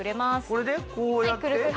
これでこうやって？